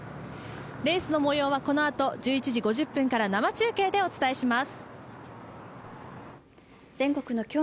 レースのもようはこのあと、１１時５０分から生中継でお伝えします。